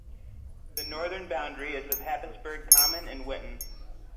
The northern boundary is with Happisburgh Common and Witton.